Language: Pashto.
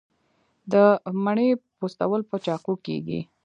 د مڼې پوستول په چاقو کیږي.